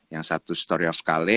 yang satu story of cale